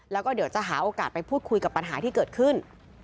แล้วก็เดี๋ยวจะหาโอกาสไปพูดคุยกับปัญหาที่เกิดขึ้น